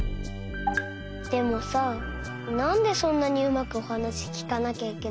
でもさなんでそんなにうまくおはなしきかなきゃいけないの？